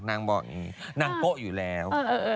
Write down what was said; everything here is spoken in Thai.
นางบอกอย่างนี้นางโป๊ะอยู่แล้ว